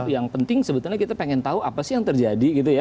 yang penting sebenarnya kita ingin tahu apa sih yang terjadi